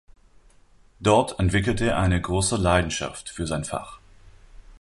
Dort entwickelte er eine große Leidenschaft für sein Fach.